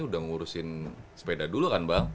udah ngurusin sepeda dulu kan bang